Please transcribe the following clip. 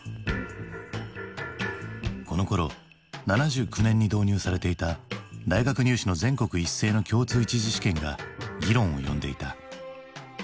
このころ７９年に導入されていた大学入試の全国一斉の共通一次試験が議論を呼んでいた。